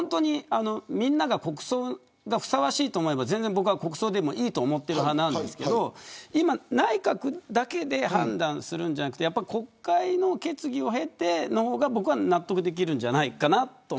みんなが国葬がふさわしいと思えば、僕は国葬でもいいと思っている派なんですけれど今、内閣だけで判断するんじゃなくて国会の決議をへての方が、僕は納得できるんじゃないかなと。